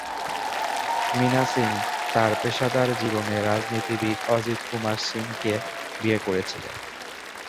মিনা সিং তার পেশাদার জীবনে রাজনীতিবিদ অজিত কুমার সিংকে বিয়ে করেছিলেন।